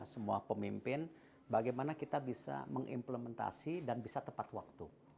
semua pemimpin bagaimana kita bisa mengimplementasi dan bisa tepat waktu